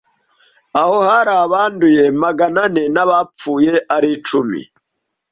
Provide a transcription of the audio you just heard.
aho hari abanduye magana ane n’abapfuye ari icumi